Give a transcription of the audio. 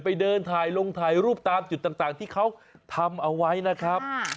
ไปเดินถ่ายลงถ่ายรูปตามจุดต่างที่เขาทำเอาไว้นะครับ